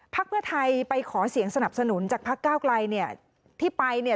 เพื่อไทยไปขอเสียงสนับสนุนจากพักก้าวไกลเนี่ยที่ไปเนี่ย